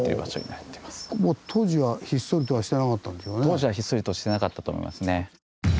当時はひっそりとしてなかったと思いますね。